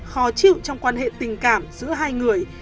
khó chịu trong quan hệ tình cảm giữa hai người